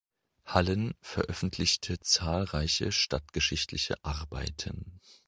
Hallen veröffentlichte zahlreiche stadtgeschichtliche Arbeiten.